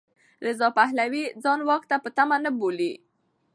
رضا پهلوي ځان واک ته په تمه نه بولي.